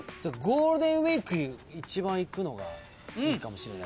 ゴールデンウィーク一番いくのがいいかもしれない。